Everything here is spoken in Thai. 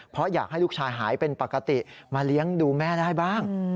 เพราะอยากให้ลูกชายหายเป็นปกติมาเลี้ยงดูแม่ได้บ้าง